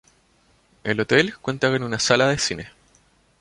El hotel cuenta con una sala de cine.